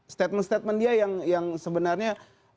statement statement dia yang sebenarnya